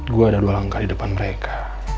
gue ada dua langkah di depan mereka